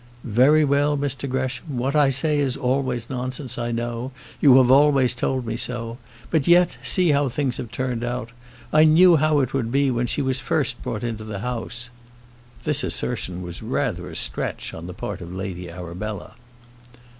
"Very well, Mr Gresham. What I say is always nonsense, I know; you have always told me so. But yet, see how things have turned out. I knew how it would be when she was first brought into the house." This assertion was rather a stretch on the part of Lady Arabella.